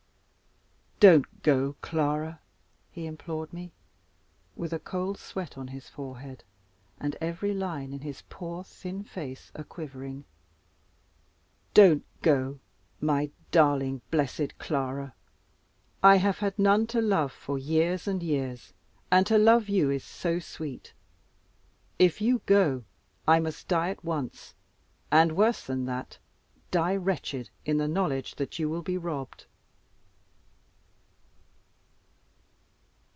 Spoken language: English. "Don't go, Clara!" he implored me, with the cold sweat on his forehead, and every line in his poor thin face a quivering. "Don't go, my darling, blessed Clara! I have had none to love for years and years, and to love you is so sweet! If you go I must die at once, and, worse than that, die wretched in the knowledge that you will be robbed."